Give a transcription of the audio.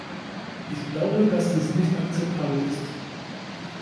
Ich glaube, dass dies nicht akzeptabel ist.